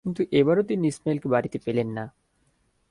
কিন্তু এবারও তিনি ইসমাঈলকে বাড়িতে পেলেন না।